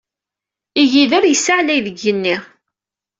Igider yessaɛlay deg yigenni.